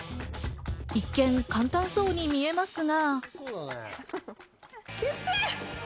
一見、簡単そうに見えますが。